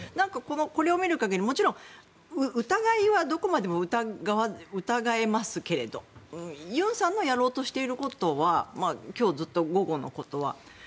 これを見る限りもちろん、疑うのはどこまでも疑えますけれども尹さんがやろうとしていることは今日ずっと。